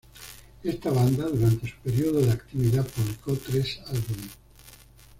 Esta banda, durante su periodo de actividad, publicó tres álbumes.